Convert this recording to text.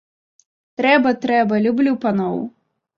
Трэба, трэба, люблю паноў!